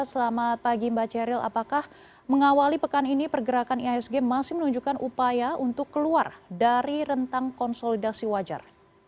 selamat pagi mbak ceril apakah mengawali pekan ini pergerakan ihsg masih menunjukkan upaya untuk keluar dari rentang konsolidasi wajar